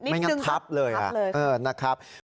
นิดหนึ่งครับทับเลยนะครับ